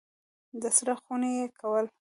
درسره خوندي یې کړه !